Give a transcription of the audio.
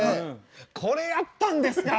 これやったんですか。